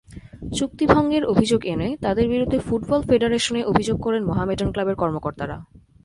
চুক্তিভঙ্গের অভিযোগ এনে তাঁদের বিরুদ্ধে ফুটবল ফেডারেশনে অভিযোগ করেন মোহামেডান ক্লাবের কর্মকর্তারা।